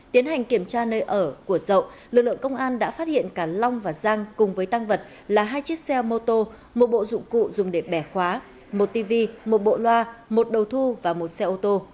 tiến hành kiểm tra nơi ở của dậu lực lượng công an đã phát hiện cả long và giang cùng với tăng vật là hai chiếc xe mô tô một bộ dụng cụ dùng để bẻ khóa một tv một bộ loa một đầu thu và một xe ô tô